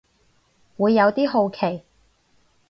會有啲好奇